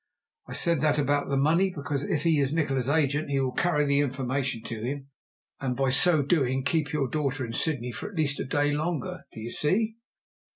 I said that about the money because, if he is Nikola's agent, he will carry the information to him, and by so doing keep your daughter in Sydney for at least a day longer. Do you see?"